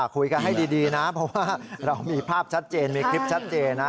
คุยกันให้ดีนะเพราะว่าเรามีภาพชัดเจนมีคลิปชัดเจนนะ